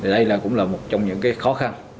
đây cũng là một trong những khó khăn